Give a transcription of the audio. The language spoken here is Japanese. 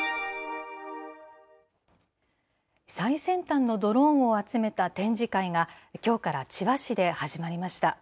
最先端のドローンを集めた展示会が、きょうから千葉市で始まりました。